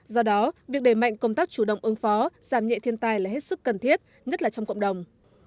do đó việc đẩy mạnh công tác chủ động ứng phó giảm nhẹ thiên tai là hết sức cần thiết nhất là trong cộng đồng